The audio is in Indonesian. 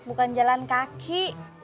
bukan jalan kaki